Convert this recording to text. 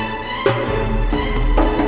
jangan lupa joko tingkir